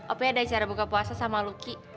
apa ada acara buka puasa sama luki